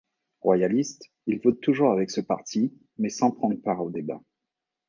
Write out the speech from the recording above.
Royaliste, il vote toujours avec ce parti mais sans prendre part aux débats.